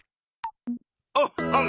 おっほん。